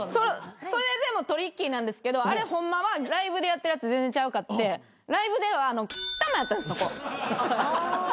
それでもトリッキーなんですけどあれホンマはライブでやってるやつ全然ちゃうかってライブでは玉やったんすそこ。